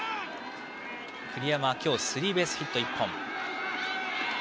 栗山は今日スリーベースヒット１本。